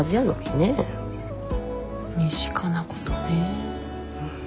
身近なことね。